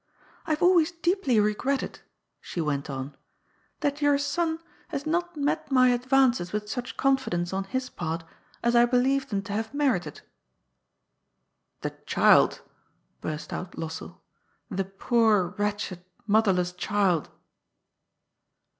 ^^I have always deeply regretted," she went on, ^Hhat your son has not met my advances with such confidence on his part as I believe them to have merited." ^ The child !" burst out Lossell ;^* the poor, wretched, motherless child